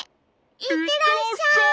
いってらっしゃい！